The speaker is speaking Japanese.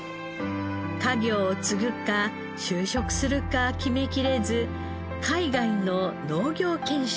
家業を継ぐか就職するか決めきれず海外の農業研修へ。